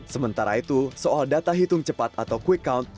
sementara itu soal data hitung cepat atau quick count